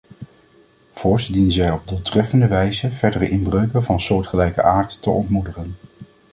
Voorts dienen zij op doeltreffende wijze verdere inbreuken van soortgelijke aard te ontmoedigen.